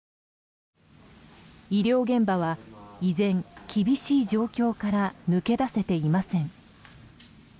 医療現場は依然、厳しい状況から抜け出せていません。